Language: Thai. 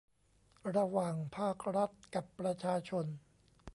ระหว่างภาครัฐกับประชาชน